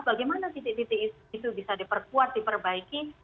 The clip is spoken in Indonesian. bagaimana titik titik itu bisa diperkuat diperbaiki